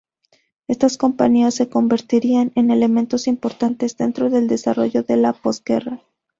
Estas compañías se convertirían en elementos importantes dentro del desarrollo de la posguerra.